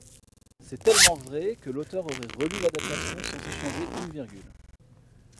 C’est tellement vrai que l’auteur aurait relu l’adaptation sans y changer une virgule.